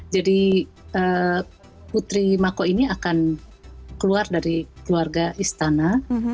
jadi putri mako ini akan keluar dari keluarga istana